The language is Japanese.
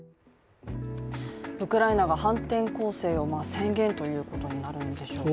ウクライナが反転攻勢を宣言ということになるんでしょうか。